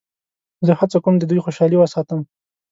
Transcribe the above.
زه هڅه کوم د دوی خوشحالي وساتم.